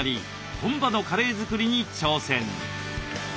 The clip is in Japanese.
本場のカレー作りに挑戦！